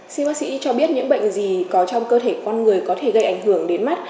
xin bác sĩ cho biết những bệnh gì có trong cơ thể con người có thể gây ảnh hưởng đến mắt